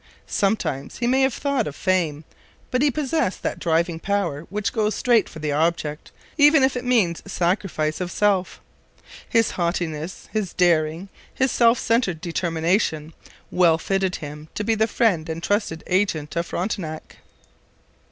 Sometimes he may have thought of fame, but he possessed that driving power which goes straight for the object, even if it means sacrifice of self. His haughtiness, his daring, his self centred determination, well fitted him to be the friend and trusted agent of Frontenac.